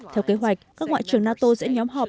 theo kế hoạch các ngoại trưởng nato sẽ nhóm họp